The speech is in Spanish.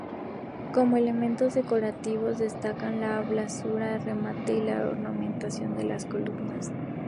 Como elementos decorativos destacan: la balaustrada de remate y la ornamentación de las columnas.